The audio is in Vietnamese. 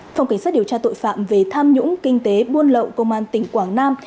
phòng cảnh sát điều tra tội phạm về tham nhũng kinh tế buôn lậu công an tỉnh quảng nam